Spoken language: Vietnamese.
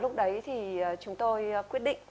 lúc đấy thì chúng tôi quyết định